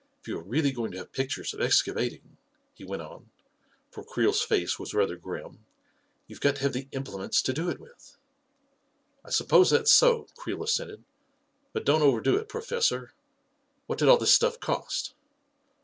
If you are really going to have pictures of excavat ing," he went on, for Creel's face was rather grim, 11 you've got to have the implements to do it with." " I suppose that's so," Creel assented ;" but don't overdo it, Professor. What did all this stuff cost